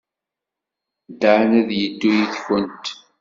Dan ad yeddu yid-went.